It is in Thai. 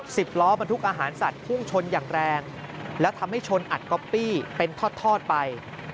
สิบล้อบรรทุกอาหารสัตว์พุ่งชนอย่างแรงแล้วทำให้ชนอัดก๊อปปี้เป็นทอดทอดไป